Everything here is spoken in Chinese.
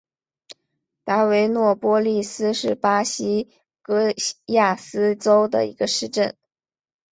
达维诺波利斯是巴西戈亚斯州的一个市镇。